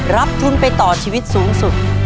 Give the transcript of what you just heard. รับทุนไปต่อชีวิตสูงสุด